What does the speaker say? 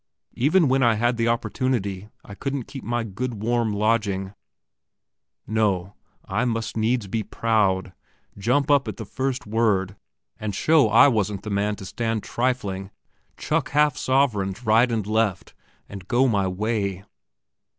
Even when I had the opportunity I couldn't keep my good warm lodging. No; I must needs be proud, jump up at the first word, and show I wasn't the man to stand trifling, chuck half sovereigns right and left, and go my way....